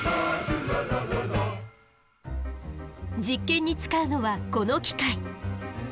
実験に使うのはこの機械。